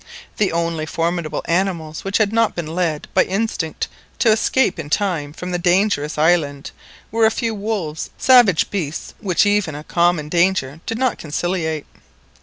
The only formidable animals which had not been led by instinct to escape in time from the dangerous island were a few wolves, savage beasts which even a common danger did not conciliate.